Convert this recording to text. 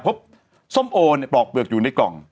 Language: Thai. ส้มโอเนี่ยปลอกเปลือกอยู่ในกล่อง